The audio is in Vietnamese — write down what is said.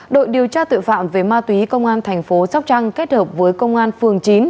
đội điều tra tội phạm về ma túy công an thành phố sóc trăng kết hợp với công an phường chín